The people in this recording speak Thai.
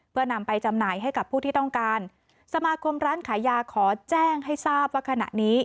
เพื่อนำไปจำหน่ายให้กับผู้ที่ต้องการสมาคมร้านขายยาขอแจ้งให้ทราบว่าขณะนี้